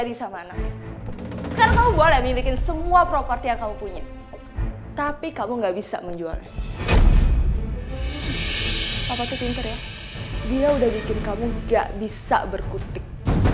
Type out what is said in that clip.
dia udah bikin kamu gak bisa berkutik